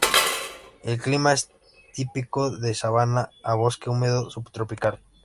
El clima es típico de sabana a bosque húmedo subtropical.